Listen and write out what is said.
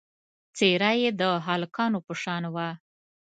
څېره یې د هلکانو په شان وه.